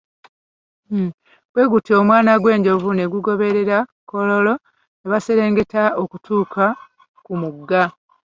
Bwe gutyo, omwana gw'enjovu ne gugoberera Kaloolo ne baserengeta okutuuka ku mugga.